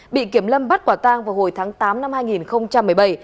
bị kiểm lâm bắt quả tang vào hồi tháng tám năm hai nghìn một mươi bảy